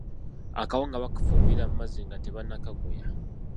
Akawunga bakafumbira amazzi nga tebannakagoya.